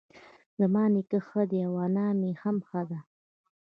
زما نيکه ښه دی اؤ انا مي هم ښۀ دۀ